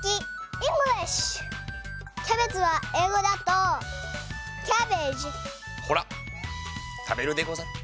キャベツはえいごだとほらたべるでござる。